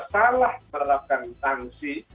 salah menerapkan tangsi